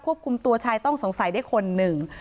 คุมตัวชายต้องสงสัยได้คนหนึ่ง